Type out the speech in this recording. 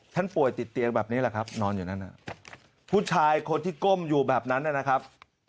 ป่วยติดเตียงแบบนี้แหละครับนอนอยู่นั่นผู้ชายคนที่ก้มอยู่แบบนั้นนะครับ